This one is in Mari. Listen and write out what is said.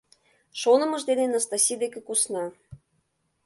Шонымыж дене Настаси деке кусна.